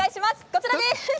こちらです。